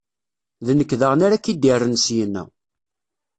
D nekk daɣen ara k-id-irren syenna.